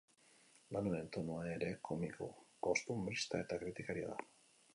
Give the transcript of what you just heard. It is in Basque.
Lan honen tonua ere komiko, kostunbrista eta kritikaria da.